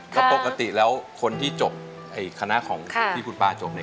แล้วปกติแล้วคนที่จบคณะของพี่ป่าจบเนี่ย